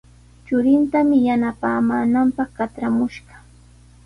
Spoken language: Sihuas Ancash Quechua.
Churintami yanapaamaananpaq katramushqa.